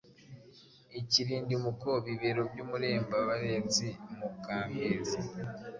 ikirindimuko Bibero by’urutembabarenzi muka Mwezi!”